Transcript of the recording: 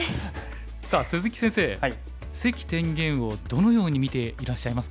さあ鈴木先生関天元をどのように見ていらっしゃいますか？